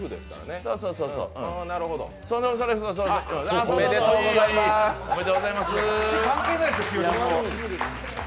おめでとうございます。